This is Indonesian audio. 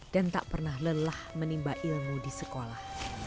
dan tak pernah lelah menimba ilmu di sekolah